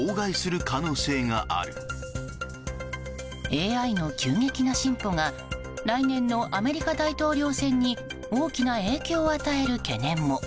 ＡＩの急激な進歩が来年のアメリカ大統領選に大きな影響を与える懸念も。